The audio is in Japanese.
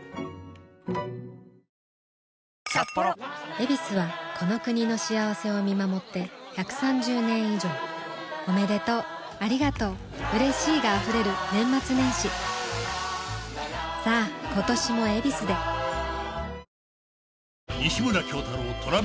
「ヱビス」はこの国の幸せを見守って１３０年以上おめでとうありがとううれしいが溢れる年末年始さあ今年も「ヱビス」でえっ？